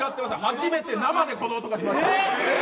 初めで生でこの音がしました。